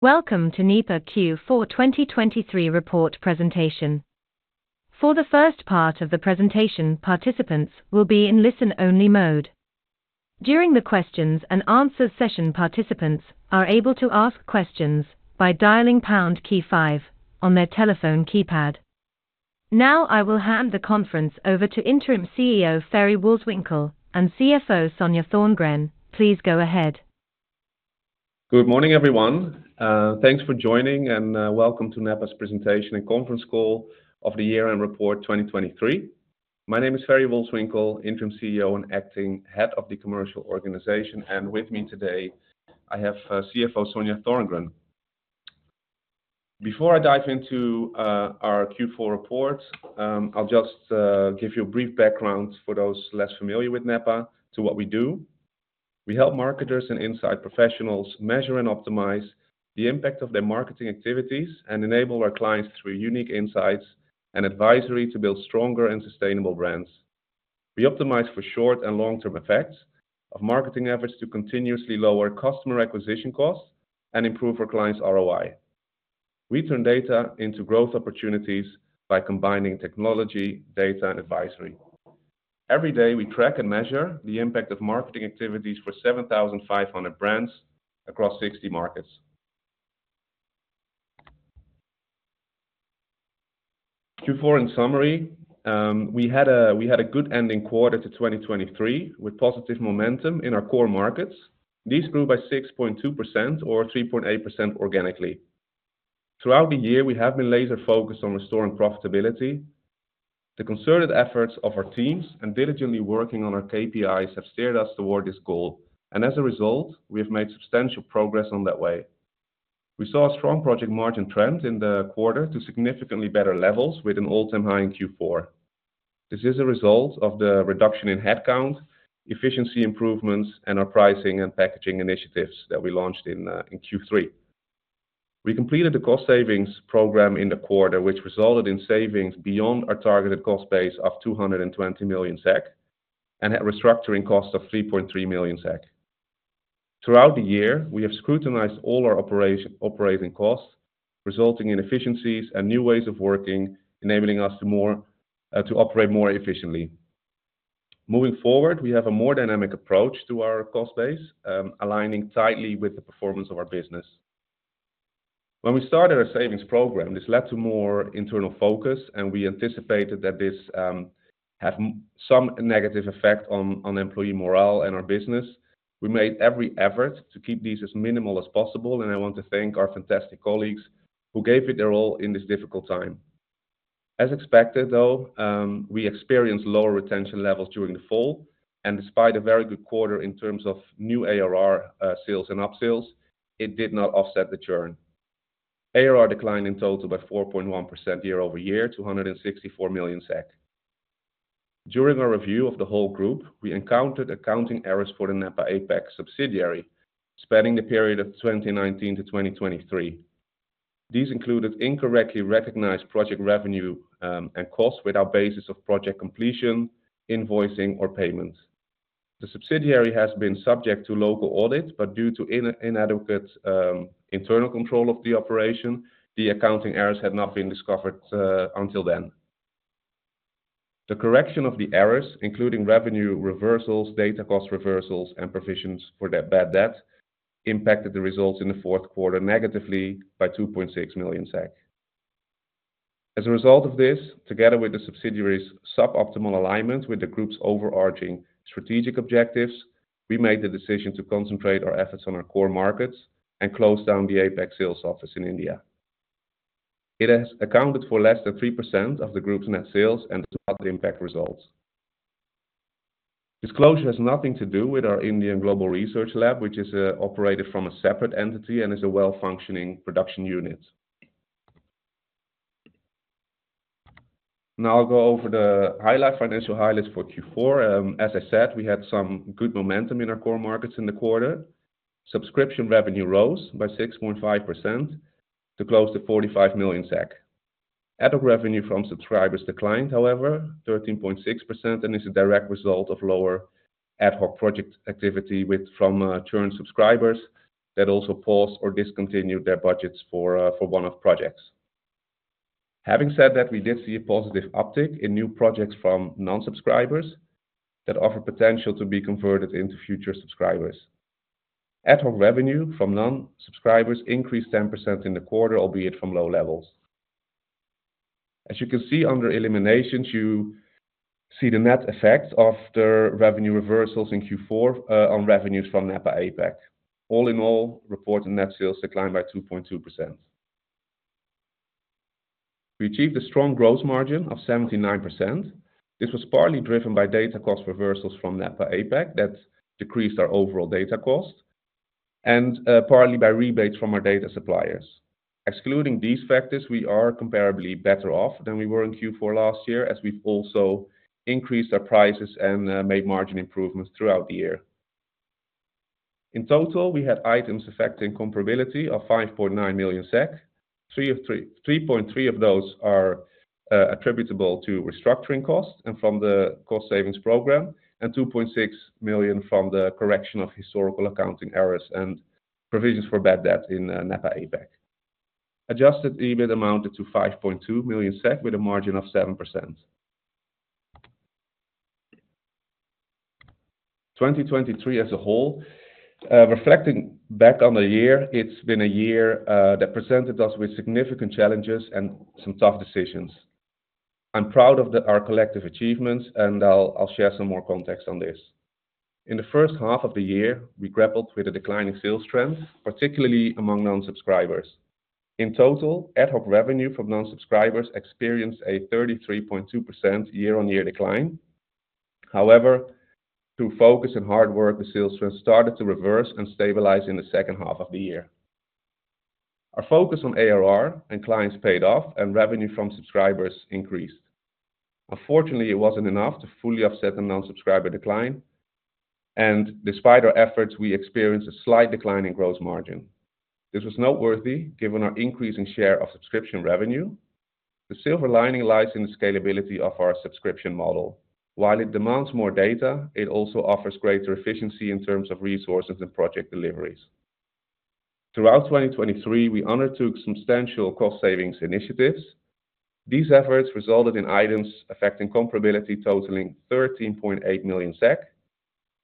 Welcome to Nepa Q4 2023 report presentation. For the first part of the presentation, participants will be in listen-only mode. During the questions and answers session, participants are able to ask questions by dialing pound key 5 on their telephone keypad. Now I will hand the conference over to Interim CEO Ferry Wolswinkel and CFO Sonja Thorngren. Please go ahead. Good morning, everyone. Thanks for joining, and welcome to Nepa's presentation and conference call of the year-end report 2023. My name is Ferry Wolswinkel, Interim CEO and Acting Head of the Commercial Organization, and with me today I have CFO Sonja Thorngren. Before I dive into our Q4 report, I'll just give you a brief background for those less familiar with NEPA to what we do. We help marketers and insight professionals measure and optimize the impact of their marketing activities and enable our clients through unique insights and advisory to build stronger and sustainable brands. We optimize for short and long-term effects of marketing efforts to continuously lower customer acquisition costs and improve our clients' ROI. We turn data into growth opportunities by combining technology, data, and advisory. Every day we track and measure the impact of marketing activities for 7,500 brands across 60 markets. Q4 in summary: We had a good ending quarter to 2023 with positive momentum in our core markets. These grew by 6.2% or 3.8% organically. Throughout the year, we have been laser-focused on restoring profitability. The concerted efforts of our teams and diligently working on our KPIs have steered us toward this goal, and as a result, we have made substantial progress on that way. We saw a strong project margin trend in the quarter to significantly better levels with an all-time high in Q4. This is a result of the reduction in headcount, efficiency improvements, and our pricing and packaging initiatives that we launched in Q3. We completed the cost savings program in the quarter, which resulted in savings beyond our targeted cost base of 220 million SEK and a restructuring cost of 3.3 million SEK. Throughout the year, we have scrutinized all our operating costs, resulting in efficiencies and new ways of working, enabling us to operate more efficiently. Moving forward, we have a more dynamic approach to our cost base, aligning tightly with the performance of our business. When we started our savings program, this led to more internal focus, and we anticipated that this would have some negative effect on employee morale and our business. We made every effort to keep these as minimal as possible, and I want to thank our fantastic colleagues who gave it their all in this difficult time. As expected, though, we experienced lower retention levels during the fall, and despite a very good quarter in terms of new ARR sales and upsales, it did not offset the churn. ARR declined in total by 4.1% year-over-year, 264 million SEK. During our review of the whole group, we encountered accounting errors for the Nepa APAC subsidiary spanning the period of 2019 to 2023. These included incorrectly recognized project revenue and costs without basis of project completion, invoicing, or payment. The subsidiary has been subject to local audit, but due to inadequate internal control of the operation, the accounting errors had not been discovered until then. The correction of the errors, including revenue reversals, data cost reversals, and provisions for bad debt, impacted the results in the fourth quarter negatively by 2.6 million SEK. As a result of this, together with the subsidiary's suboptimal alignment with the group's overarching strategic objectives, we made the decision to concentrate our efforts on our core markets and close down the APAC sales office in India. It has accounted for less than 3% of the group's net sales and impact results. This closure has nothing to do with our Indian Global Research Lab, which is operated from a separate entity and is a well-functioning production unit. Now I'll go over the financial highlights for Q4. As I said, we had some good momentum in our core markets in the quarter. Subscription revenue rose by 6.5% to close to 45 million SEK. Ad hoc revenue from subscribers declined, however, 13.6%, and is a direct result of lower ad hoc project activity from churned subscribers that also paused or discontinued their budgets for one-off projects. Having said that, we did see a positive uptick in new projects from non-subscribers that offer potential to be converted into future subscribers. Ad hoc revenue from non-subscribers increased 10% in the quarter, albeit from low levels. As you can see under eliminations, you see the net effects of the revenue reversals in Q4 on revenues from Nepa APAC. All in all, reported net sales declined by 2.2%. We achieved a strong gross margin of 79%. This was partly driven by data cost reversals from NEPA APAC that decreased our overall data cost and partly by rebates from our data suppliers. Excluding these factors, we are comparably better off than we were in Q4 last year, as we've also increased our prices and made margin improvements throughout the year. In total, we had items affecting comparability of 5.9 million SEK. 3.3 million of those are attributable to restructuring costs and from the cost savings program, and 2.6 million from the correction of historical accounting errors and provisions for bad debt in NEPA APAC. Adjusted EBIT amounted to 5.2 million SEK with a margin of 7%. 2023 as a whole: reflecting back on the year, it's been a year that presented us with significant challenges and some tough decisions. I'm proud of our collective achievements, and I'll share some more context on this. In the first half of the year, we grappled with a declining sales trend, particularly among non-subscribers. In total, ad hoc revenue from non-subscribers experienced a 33.2% year-on-year decline. However, through focus and hard work, the sales trend started to reverse and stabilize in the second half of the year. Our focus on ARR and clients paid off, and revenue from subscribers increased. Unfortunately, it wasn't enough to fully offset the non-subscriber decline, and despite our efforts, we experienced a slight decline in growth margin. This was noteworthy given our increasing share of subscription revenue. The silver lining lies in the scalability of our subscription model. While it demands more data, it also offers greater efficiency in terms of resources and project deliveries. Throughout 2023, we undertook substantial cost savings initiatives. These efforts resulted in items affecting comparability totaling 13.8 million SEK.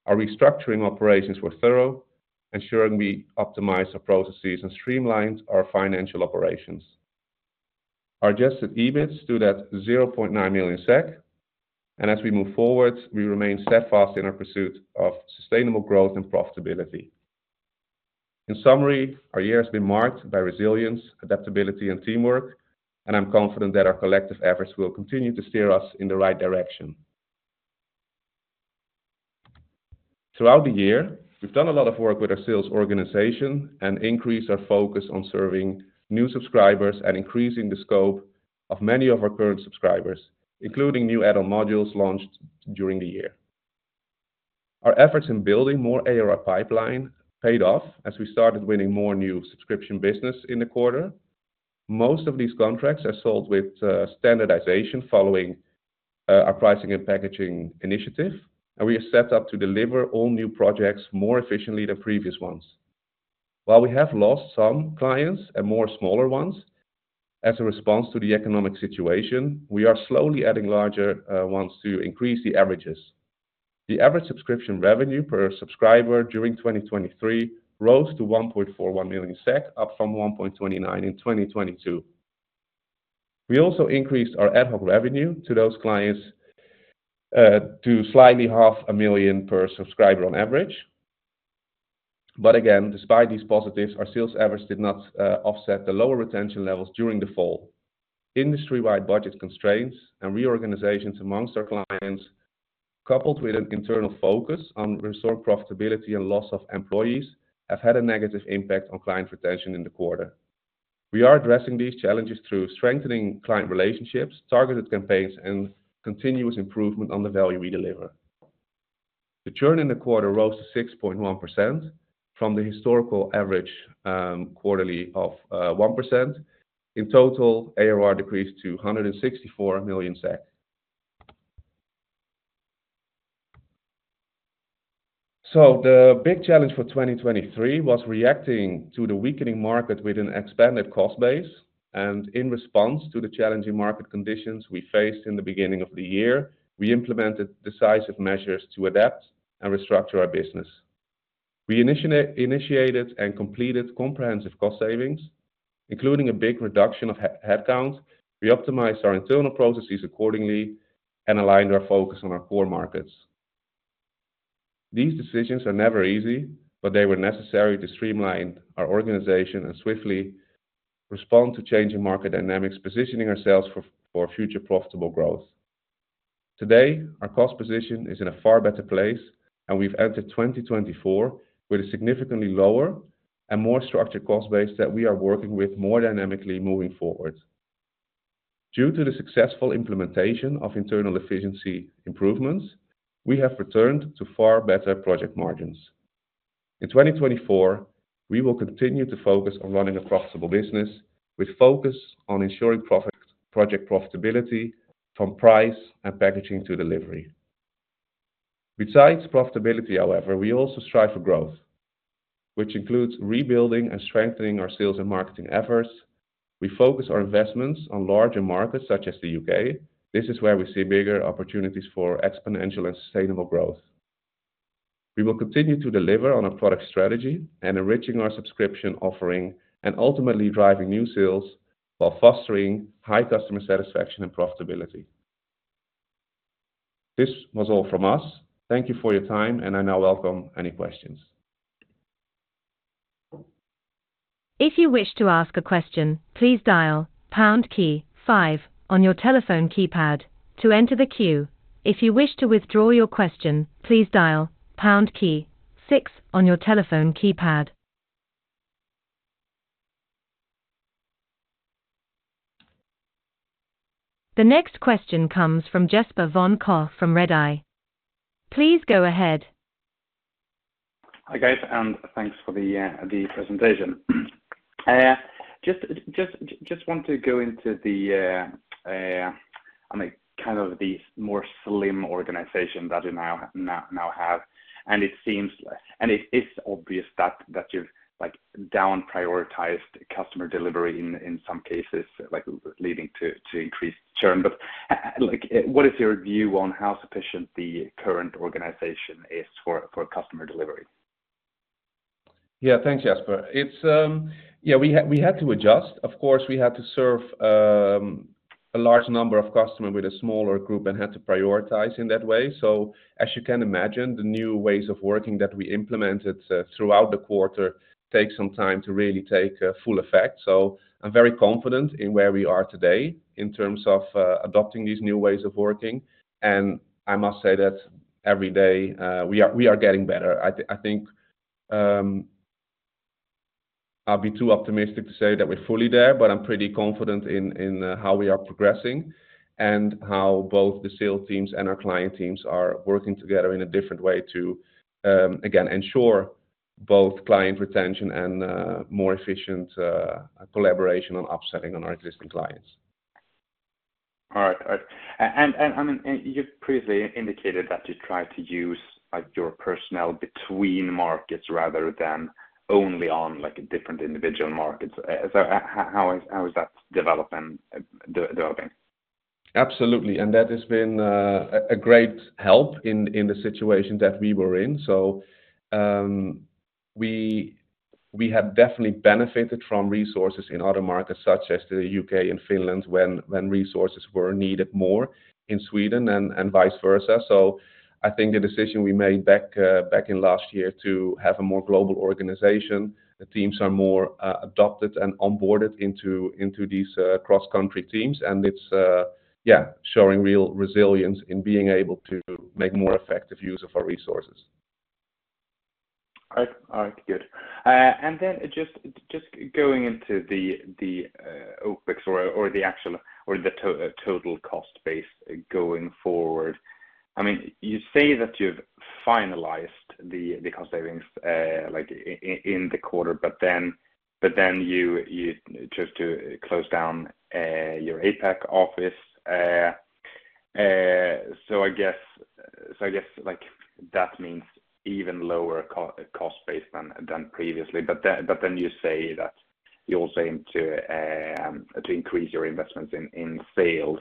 Our restructuring operations were thorough, ensuring we optimized our processes and streamlined our financial operations. Our adjusted EBIT stood at 0.9 million SEK, and as we move forward, we remain steadfast in our pursuit of sustainable growth and profitability. In summary, our year has been marked by resilience, adaptability, and teamwork, and I'm confident that our collective efforts will continue to steer us in the right direction. Throughout the year, we've done a lot of work with our sales organization and increased our focus on serving new subscribers and increasing the scope of many of our current subscribers, including new add-on modules launched during the year. Our efforts in building more ARR pipeline paid off as we started winning more new subscription business in the quarter. Most of these contracts are sold with standardization following our pricing and packaging initiative, and we are set up to deliver all new projects more efficiently than previous ones. While we have lost some clients and more smaller ones as a response to the economic situation, we are slowly adding larger ones to increase the averages. The average subscription revenue per subscriber during 2023 rose to 1.41 million SEK, up from 1.29 million in 2022. We also increased our ad hoc revenue to those clients to slightly 0.5 million per subscriber on average. But again, despite these positives, our sales average did not offset the lower retention levels during the fall. Industry-wide budget constraints and reorganizations among our clients, coupled with an internal focus on restored profitability and loss of employees, have had a negative impact on client retention in the quarter. We are addressing these challenges through strengthening client relationships, targeted campaigns, and continuous improvement on the value we deliver. The churn in the quarter rose to 6.1% from the historical average quarterly of 1%. In total, ARR decreased to 164 million SEK. The big challenge for 2023 was reacting to the weakening market with an expanded cost base. In response to the challenging market conditions we faced in the beginning of the year, we implemented decisive measures to adapt and restructure our business. We initiated and completed comprehensive cost savings, including a big reduction of headcount. We optimized our internal processes accordingly and aligned our focus on our core markets. These decisions are never easy, but they were necessary to streamline our organization and swiftly respond to changing market dynamics, positioning ourselves for future profitable growth. Today, our cost position is in a far better place, and we've entered 2024 with a significantly lower and more structured cost base that we are working with more dynamically moving forward. Due to the successful implementation of internal efficiency improvements, we have returned to far better project margins. In 2024, we will continue to focus on running a profitable business with focus on ensuring project profitability from price and packaging to delivery. Besides profitability, however, we also strive for growth, which includes rebuilding and strengthening our sales and marketing efforts. We focus our investments on larger markets such as the U.K. This is where we see bigger opportunities for exponential and sustainable growth. We will continue to deliver on our product strategy, enriching our subscription offering, and ultimately driving new sales while fostering high customer satisfaction and profitability. This was all from us. Thank you for your time, and I now welcome any questions. If you wish to ask a question, please dial pound key 5 on your telephone keypad to enter the queue. If you wish to withdraw your question, please dial pound key 6 on your telephone keypad. The next question comes from Jesper von Koch from Redeye. Please go ahead. Hi guys, and thanks for the presentation. Just want to go into the kind of the more slim organization that you now have, and it seems and it's obvious that you've downprioritized customer delivery in some cases, leading to increased churn. But what is your view on how sufficient the current organization is for customer delivery? Yeah, thanks, Jesper. Yeah, we had to adjust. Of course, we had to serve a large number of customers with a smaller group and had to prioritize in that way. So as you can imagine, the new ways of working that we implemented throughout the quarter take some time to really take full effect. So I'm very confident in where we are today in terms of adopting these new ways of working. And I must say that every day we are getting better. I think I'll be too optimistic to say that we're fully there, but I'm pretty confident in how we are progressing and how both the sales teams and our client teams are working together in a different way to, again, ensure both client retention and more efficient collaboration on upselling on our existing clients. All right. All right. And I mean, you've previously indicated that you try to use your personnel between markets rather than only on different individual markets. So how is that developing? Absolutely. That has been a great help in the situation that we were in. So we have definitely benefited from resources in other markets such as the UK and Finland when resources were needed more in Sweden and vice versa. So I think the decision we made back in last year to have a more global organization. The teams are more adapted and onboarded into these cross-country teams, and it's, yeah, showing real resilience in being able to make more effective use of our resources. All right. All right. Good. And then just going into the OpEx or the actual or the total cost base going forward, I mean, you say that you've finalized the cost savings in the quarter, but then you chose to close down your APAC office. So I guess that means even lower cost base than previously. But then you say that you're also aiming to increase your investments in sales.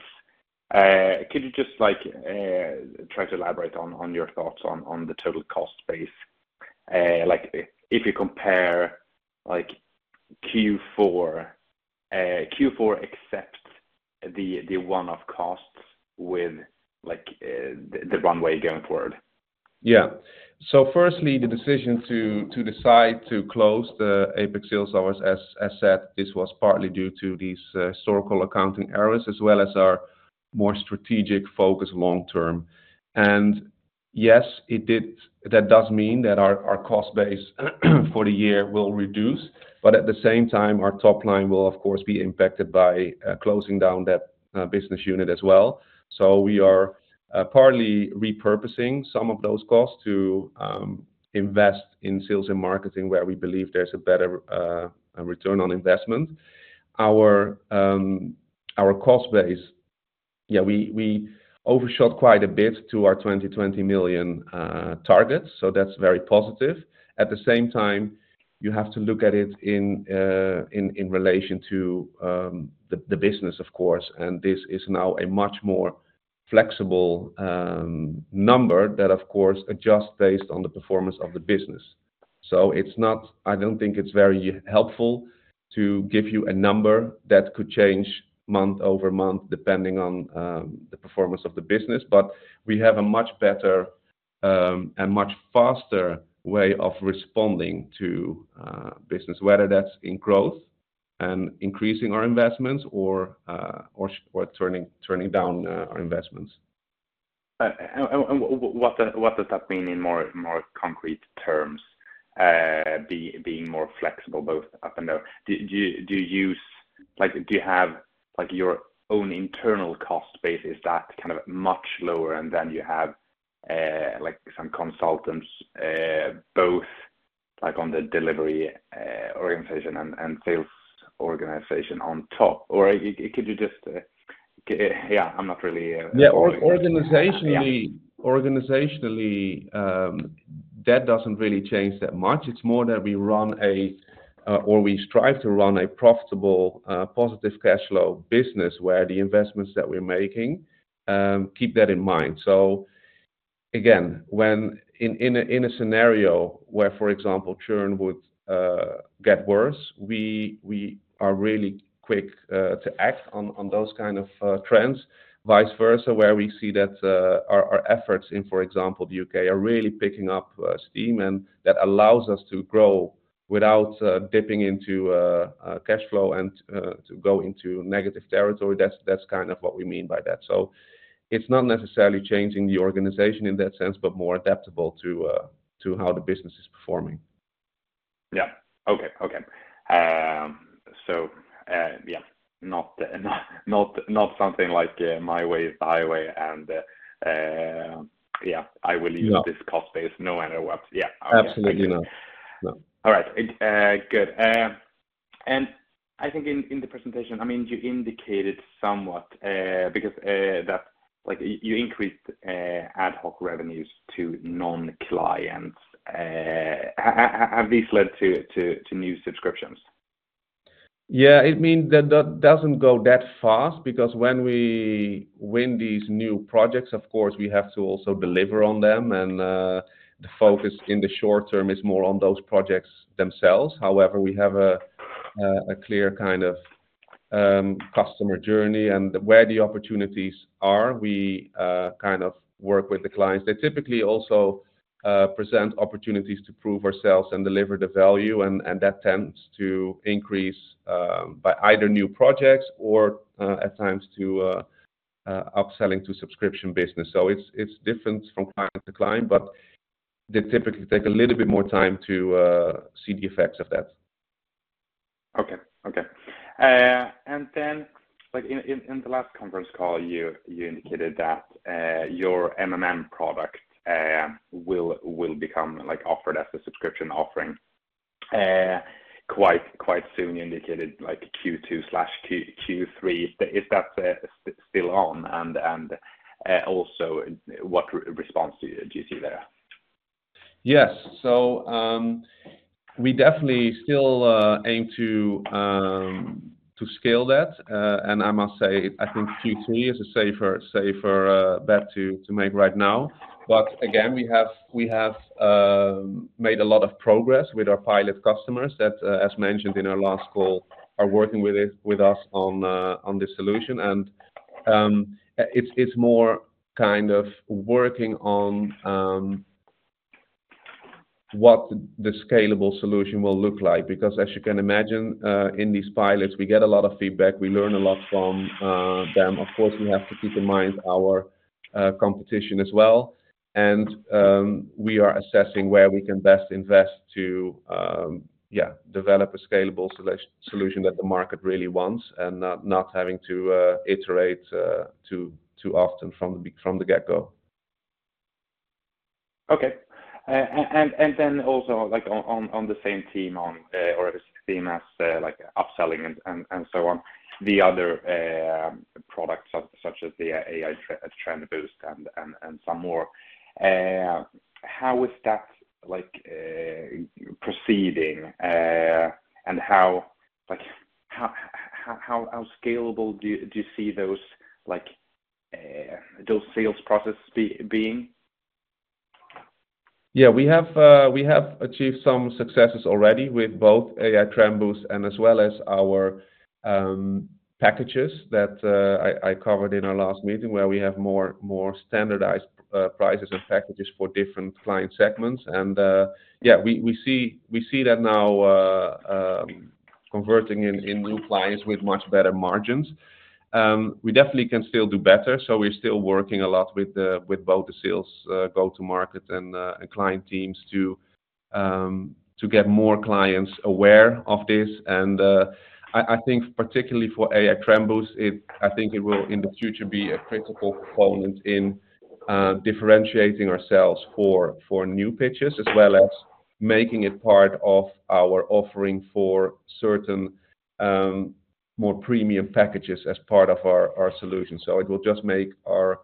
Could you just try to elaborate on your thoughts on the total cost base? If you compare Q4 except the one-off costs with the runway going forward. Yeah. So firstly, the decision to decide to close the APEC sales office, as said, this was partly due to these historical accounting errors as well as our more strategic focus long term. And yes, that does mean that our cost base for the year will reduce, but at the same time, our top line will, of course, be impacted by closing down that business unit as well. So we are partly repurposing some of those costs to invest in sales and marketing where we believe there's a better return on investment. Our cost base, yeah, we overshot quite a bit to our 20 million target, so that's very positive. At the same time, you have to look at it in relation to the business, of course, and this is now a much more flexible number that, of course, adjusts based on the performance of the business. I don't think it's very helpful to give you a number that could change month over month depending on the performance of the business, but we have a much better and much faster way of responding to business, whether that's in growth and increasing our investments or turning down our investments. What does that mean in more concrete terms, being more flexible both up and down? Do you have your own internal cost base, is that kind of much lower and then you have some consultants both on the delivery organization and sales organization on top? Or could you just yeah, I'm not really aware of that. Yeah, organizationally, that doesn't really change that much. It's more that we strive to run a profitable, positive cash flow business where the investments that we're making keep that in mind. So again, in a scenario where, for example, churn would get worse, we are really quick to act on those kind of trends. Vice versa, where we see that our efforts in, for example, the U.K. are really picking up steam and that allows us to grow without dipping into cash flow and to go into negative territory, that's kind of what we mean by that. So it's not necessarily changing the organization in that sense, but more adaptable to how the business is performing. Yeah. Okay. Okay. So yeah, not something like my way is the highway, and yeah, I will use this cost base no matter what. Yeah. Okay. Absolutely not. No. All right. Good. I think in the presentation, I mean, you indicated somewhat because that you increased ad hoc revenues to non-clients. Have these led to new subscriptions? Yeah, it means that doesn't go that fast because when we win these new projects, of course, we have to also deliver on them, and the focus in the short term is more on those projects themselves. However, we have a clear kind of customer journey and where the opportunities are, we kind of work with the clients. They typically also present opportunities to prove ourselves and deliver the value, and that tends to increase by either new projects or at times to upselling to subscription business. So it's different from client to client, but they typically take a little bit more time to see the effects of that. Okay. Okay. And then in the last conference call, you indicated that your product will become offered as a subscription offering quite soon. You indicated Q2/Q3. Is that still on? And also, what response do you see there? Yes. So we definitely still aim to scale that. And I must say, I think Q3 is a safer bet to make right now. But again, we have made a lot of progress with our pilot customers that, as mentioned in our last call, are working with us on this solution. And it's more kind of working on what the scalable solution will look like because, as you can imagine, in these pilots, we get a lot of feedback. We learn a lot from them. Of course, we have to keep in mind our competition as well. And we are assessing where we can best invest to, yeah, develop a scalable solution that the market really wants and not having to iterate too often from the get-go. Okay. And then also on the same theme or the same as upselling and so on, the other products such as the AI Trend Boost and some more, how is that proceeding and how scalable do you see those sales processes being? Yeah, we have achieved some successes already with both AI Trend Boost and as well as our packages that I covered in our last meeting where we have more standardized prices and packages for different client segments. And yeah, we see that now converting in new clients with much better margins. We definitely can still do better. So we're still working a lot with both the sales go-to-market and client teams to get more clients aware of this. And I think particularly for AI Trend Boost, I think it will in the future be a critical component in differentiating ourselves for new pitches as well as making it part of our offering for certain more premium packages as part of our solution. So it will just make our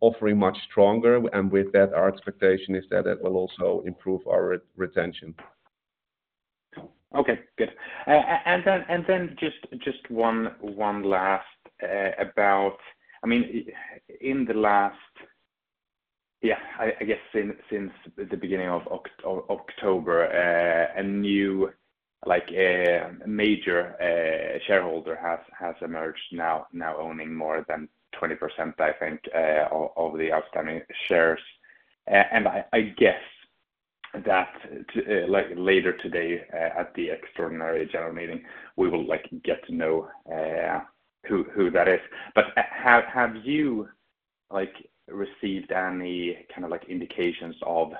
offering much stronger. And with that, our expectation is that it will also improve our retention. Okay. Good. And then just one last about. I mean, in the last year, I guess since the beginning of October, a new major shareholder has emerged now owning more than 20%, I think, of the outstanding shares. And I guess that later today at the extraordinary general meeting, we will get to know who that is. But have you received any kind of indications of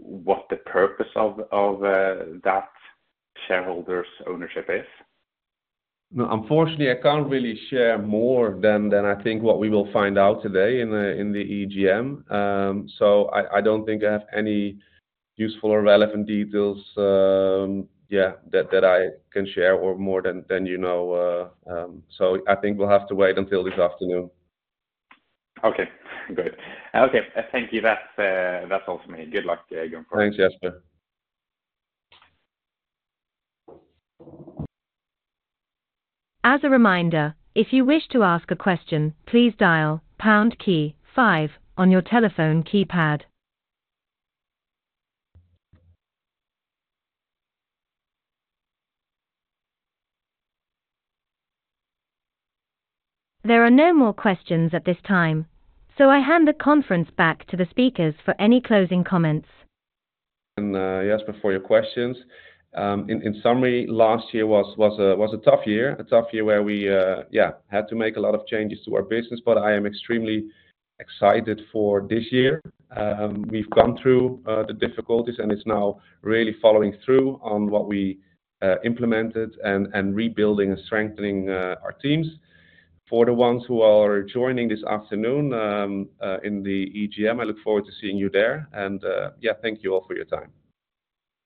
what the purpose of that shareholder's ownership is? No, unfortunately, I can't really share more than I think what we will find out today in the EGM. So I don't think I have any useful or relevant details, yeah, that I can share or more than you know. So I think we'll have to wait until this afternoon. Okay. Good. Okay. Thank you. That's all from me. Good luck, going forwar. Thanks, Jesper. As a reminder, if you wish to ask a question, please dial pound key 5 on your telephone keypad. There are no more questions at this time, so I hand the conference back to the speakers for any closing comments. Jesper, for your questions. In summary, last year was a tough year, a tough year where we, yeah, had to make a lot of changes to our business, but I am extremely excited for this year. We've gone through the difficulties, and it's now really following through on what we implemented and rebuilding and strengthening our teams. For the ones who are joining this afternoon in the EGM, I look forward to seeing you there. Yeah, thank you all for your time.